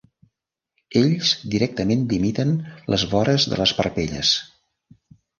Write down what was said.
Ells directament limiten les vores de les parpelles.